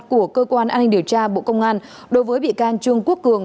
của cơ quan an ninh điều tra bộ công an đối với bị can trương quốc cường